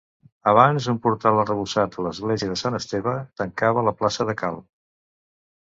Abans un portal arrebossat a l'església de Sant Esteve tancava la plaça de Cal.